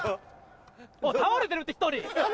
倒れてるって１人。